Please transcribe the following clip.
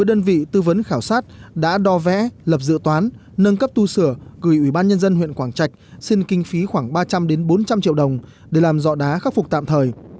đơn vị tư vấn khảo sát đã đo vẽ lập dự toán nâng cấp tu sửa gửi ủy ban nhân dân huyện quảng trạch xin kinh phí khoảng ba trăm linh bốn trăm linh triệu đồng để làm dọ đá khắc phục tạm thời